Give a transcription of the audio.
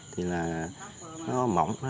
thì là nó mỏng